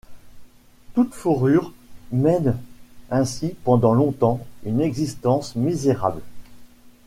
Toutes-Fourrures mène ainsi pendant longtemps une existence misérable.